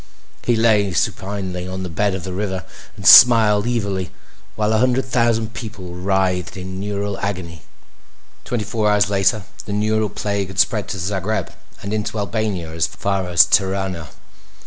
He lay supinely on the bed of the river and smiled evilly while a hundred thousand people writhed in neural agony. Twenty four hours later the neural plague had spread to Zagreb and into Albania as far as Tirana.